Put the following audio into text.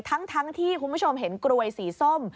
ทั้งที่คุณผู้ชมเห็นกรวยสีส้ม